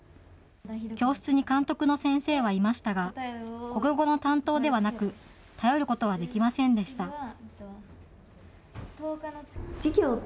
教室に監督の先生はいましたが、国語の担当ではなく、頼ることはできませんでした。